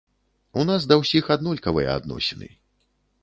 У нас да ўсіх аднолькавыя адносіны.